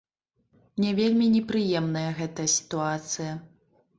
Мне вельмі непрыемная гэтая сітуацыя.